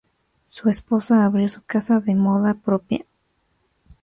Su esposa abrió su casa de moda propia.